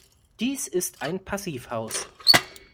Dies ist ein Passivhaus.